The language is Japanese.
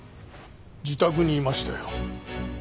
自宅にいましたよ。